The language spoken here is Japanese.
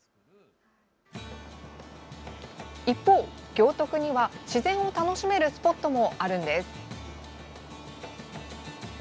一方、行徳には自然を楽しめるスポットもあるんです。